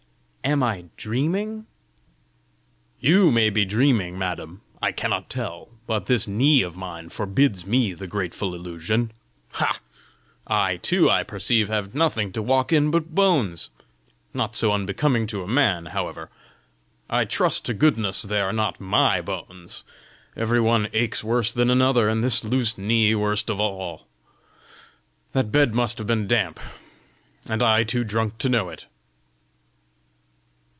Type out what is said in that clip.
Am I dreaming?" "YOU may be dreaming, madam I cannot tell; but this knee of mine forbids me the grateful illusion. Ha! I too, I perceive, have nothing to walk in but bones! Not so unbecoming to a man, however! I trust to goodness they are not MY bones! every one aches worse than another, and this loose knee worst of all! The bed must have been damp and I too drunk to know it!"